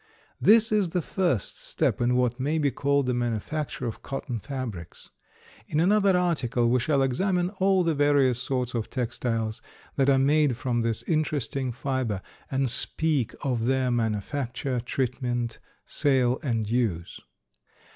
This is the first step in what may be called the manufacture of cotton fabrics. In another article we shall examine all the various sorts of textiles that are made from this interesting fiber, and speak of their manufacture, treatment, sale, and use.